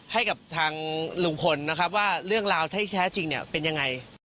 ให้กับทางลุงพลนะครับว่าเรื่องราวที่แท้จริงเนี่ยเป็นยังไง